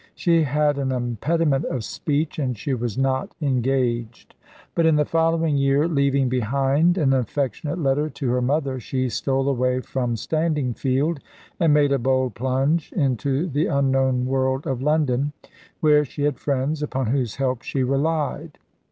She had an impediment of speech, and she was not engaged; but in the following year, leaving behind an affectionate letter to her mother, she stole away from Standingfield, and made a bold plunge into the unknown world of London, where she had friends, upon whose help she relied.